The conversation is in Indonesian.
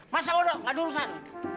masa bodoh gak ada urusan